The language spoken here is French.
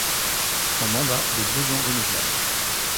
Son mandat est de deux ans renouvelable.